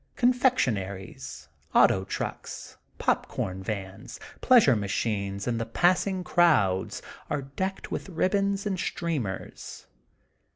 Confectioneries, auto trucks, popcorn vans, pleasure machines, and the passing crowds are decked with ribbons and streamers.